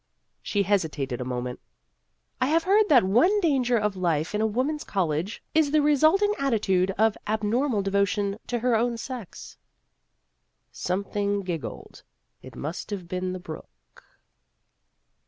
She hesitated a moment. " I have heard that one danger of life in a woman's college is the resulting attitude of abnor mal devotion to her own sex." Something giggled ; it must have been the brook.